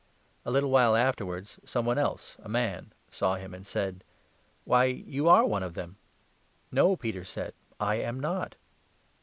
A little while afterwards some one else — a man — saw him and 58 said :" Why, you are one of them !"" No," Peter said, " I am not."